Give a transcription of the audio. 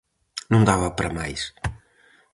Non daba para máis.